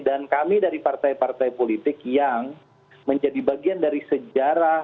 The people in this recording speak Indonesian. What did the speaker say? dan kami dari partai partai politik yang menjadi bagian dari sejarah